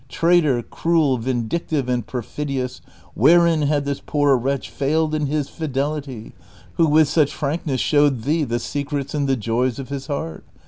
Traitor, cruel, vindictive, and perfidious, wherein had this poor wretch failed in his fidelity, who with such frankness showed thee the secrets and the joys of his heart